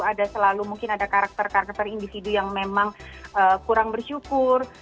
ada selalu mungkin ada karakter karakter individu yang memang kurang bersyukur